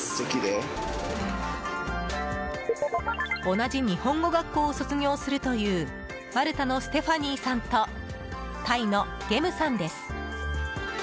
同じ日本語学校を卒業するというマルタのステファニーさんとタイのゲムさんです。